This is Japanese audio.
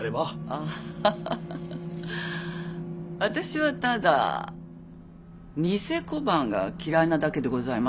ああ私はただ贋小判が嫌いなだけでございますよ。